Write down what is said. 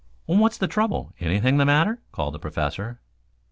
"What's the trouble? Anything the matter?" called the Professor.